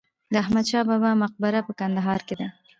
د احمد شاه بابا مقبره په کندهار کې ده